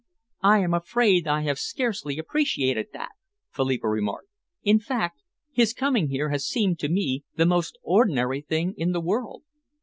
"I am afraid I have scarcely appreciated that," Philippa remarked; "in fact, his coming here has seemed to me the most ordinary thing in the world.